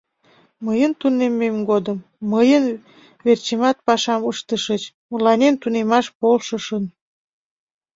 Мыйын тунеммем годым мыйын верчемат пашам ыштышыч, мыланем тунемаш полшышын...